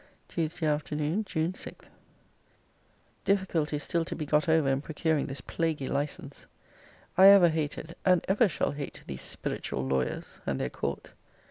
TUESDAY AFTERNOON, JUNE 6. Difficulties still to be got over in procuring this plaguy license. I ever hated, and ever shall hate, these spiritual lawyers, and their court.